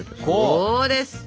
こう！